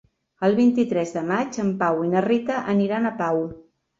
El vint-i-tres de maig en Pau i na Rita aniran a Pau.